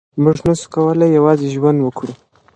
مونږ نسو کولای یوازې ژوند وکړو.